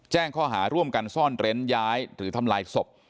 แจ้งข้อหาร่วมกันซ่อนเร้นย้ายหรือทำลายศพ